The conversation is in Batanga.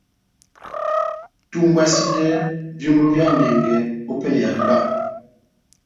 Tumbwasidɛ vyómbo vyá enyɛngɛ opɛlɛ ya diba.